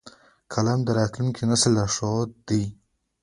قلم د راتلونکي نسل لارښود دی